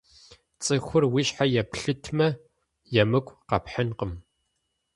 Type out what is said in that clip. ЦӀыхур уи щхьэ еплъытмэ, емыкӀу къэпхьынкъым.